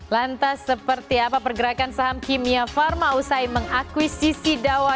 lantas seperti apa pergerakan saham kimia pharma usai mengakuisisi dawa